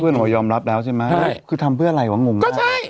เพื่อนนางออกยอมรับแล้วใช่ไหมใช่คือทำเพื่ออะไรวะงงมากก็ใช่